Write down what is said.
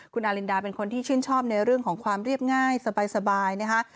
คุณอารินดาเป็นคนที่ชื่นชอบในเรื่องของความเรียบง่ายสบายนะคะ